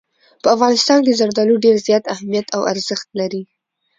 په افغانستان کې زردالو ډېر زیات اهمیت او ارزښت لري.